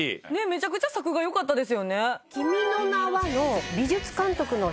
めちゃくちゃ作画よかったですよね。